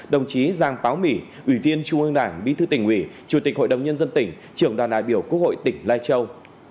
đồng chí giang báo mỹ ủy viên trung ương đảng bí thư tỉnh ủy chủ tịch hội đồng nhân dân tỉnh trưởng đoàn đại biểu quốc hội tỉnh lai châu